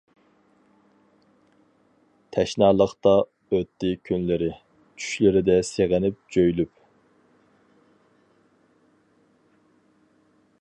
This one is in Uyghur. تەشنالىقتا ئۆتتى كۈنلىرى، چۈشلىرىدە سېغىنىپ جۆيلۈپ.